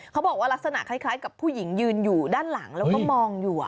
ลักษณะคล้ายกับผู้หญิงยืนอยู่ด้านหลังแล้วก็มองอยู่